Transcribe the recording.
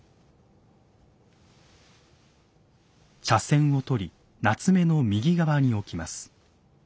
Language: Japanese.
茶筅を取り棗の右側に置きます。